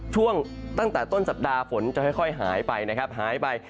ช่วงตั้งแต่ต้นสัปดาห์ฝนจะค่อยหายไปนะครับหายไป